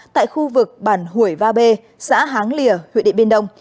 tại khu vực bản hủy va bê xã háng lìa huyện điện biên đông